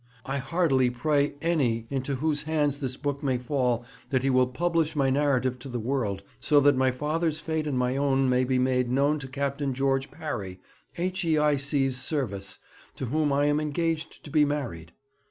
I heartily pray any into whose hands this book may fall that he will publish my narrative to the world, so that my father's fate and my own may be made known to Captain George Parry, H.E.I.C.'s Service, to whom I am engaged to be married.'